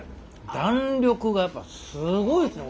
弾力がやっぱすごいですね